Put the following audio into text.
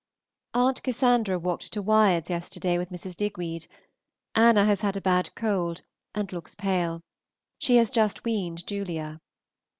Aunt Cassandra walked to Wyards yesterday with Mrs. Digweed. Anna has had a bad cold, and looks pale. She has just weaned Julia.